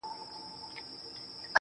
په زلفو ورا مه كوه مړ به مي كړې~